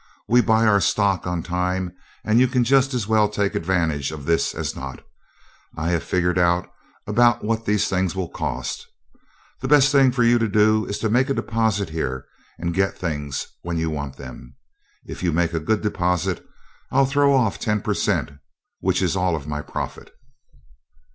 We buy our stock on time and you can just as well take advantage of this as not. I have figured out about what these things will cost. The best thing for you to do is to make a deposit here and get things when you want them. If you make a good deposit I'll throw off ten per cent, which is all of my profit."